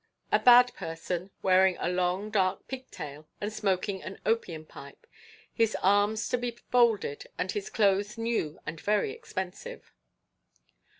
A bad person, wearing a long dark pigtail and smoking an opium pipe. His arms to be folded, and his clothes new and very expensive.